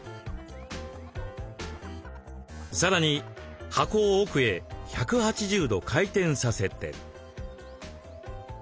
さらに箱を奥へ１８０度回転させて。